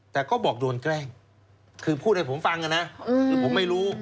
แต่ก็บอกโดนแกล้งคือพูดให้ผมฟังนะคือผมไม่รู้